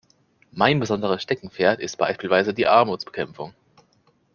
Mein besonderes Steckenpferd ist beispielsweise die Armutsbekämpfung.